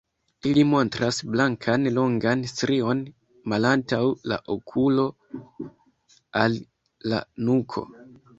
Ili montras blankan longan strion malantaŭ la okulo al la nuko.